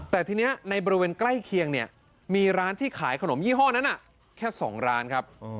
แต่ทีนี้ในบริเวณใกล้เคียงเนี่ยมีร้านที่ขายขนมยี่ห้อนั้นแค่๒ร้านครับ